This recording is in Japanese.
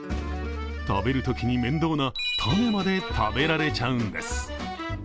食べるときに面倒な種まで食べられちゃうんです。